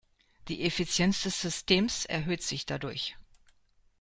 Die Effizienz des Systems erhöht sich dadurch.